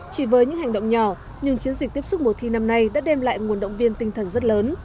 chỉ với những hành động nhỏ nhưng chiến dịch tiếp xúc mùa thi năm nay đã đem lại nguồn động viên tinh thần rất lớn